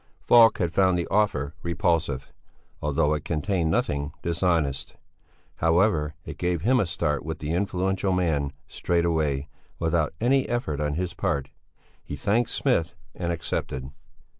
Falk found the offer repulsive, although it contained nothing dishonest; however, it gave him a start with the influential man, straight away, without any effort on his part. He thanked Smith and accepted.